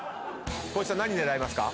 光一さん何狙いますか？